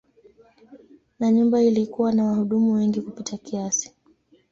Na nyumba ilikuwa na wahudumu wengi kupita kiasi.